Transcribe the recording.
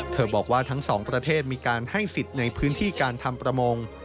บอกว่าทั้งสองประเทศมีการให้สิทธิ์ในพื้นที่การทำประมง